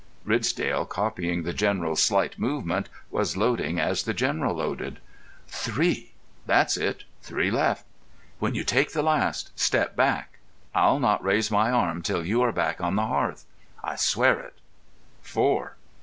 Ridsdale, copying the General's slightest movement, was loading as the General loaded. "Three! That's it. Three left. When you take the last, step back. I'll not raise my arm till you are back on the hearth. I swear it. Four!"